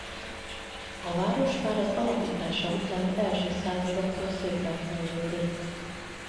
A város már az alapítása utáni első századoktól szépen fejlődött.